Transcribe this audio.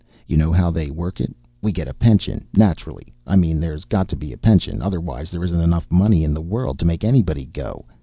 You know how they work it? We get a pension, naturally. I mean there's got to be a pension, otherwise there isn't enough money in the world to make anybody go.